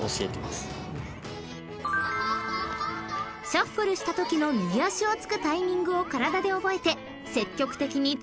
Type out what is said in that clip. ［シャッフルしたときの右足をつくタイミングを体で覚えて積極的に次の塁を狙っていこう］